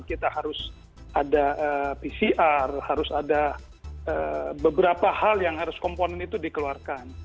kita harus ada pcr harus ada beberapa hal yang harus komponen itu dikeluarkan